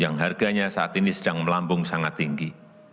yang harganya saat ini sedang melambung sangat tinggi